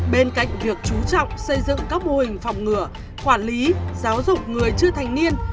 bên cạnh việc chú trọng xây dựng các mô hình phòng ngừa quản lý giáo dục người chưa thành niên